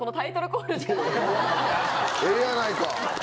ええやないか。